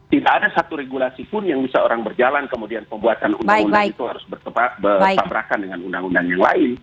tidak ada satu regulasi pun yang bisa orang berjalan kemudian pembuatan undang undang itu harus bertabrakan dengan undang undang yang lain